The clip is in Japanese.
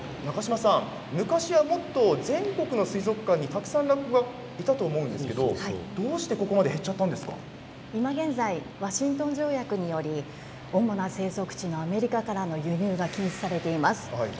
中嶋さん、昔はもっと全国の水族館にラッコがもっといたと思うんですがどうして、そんなに今、現在ワシントン条約によって主な生息地のアメリカから輸入が禁止されています。